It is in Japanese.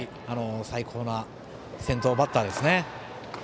最高な先頭バッターですね。